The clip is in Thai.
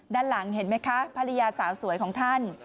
ด้านหลังเห็นไหมคะภรรยาสาวสวยของท่าน